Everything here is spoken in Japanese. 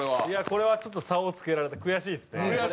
いやこれはちょっと差をつけられて悔しいですね。